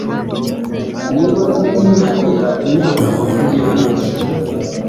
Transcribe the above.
niba tutiyuhagira imyaka makumyabiri